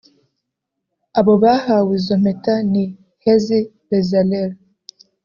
Abo bahawe izo mpeta ni Hezi Bezalel